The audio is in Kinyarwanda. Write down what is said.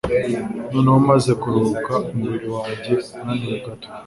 Noneho maze kuruhuka umubiri wanjye unaniwe gato